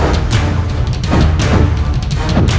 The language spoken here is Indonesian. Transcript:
aku harus menolongnya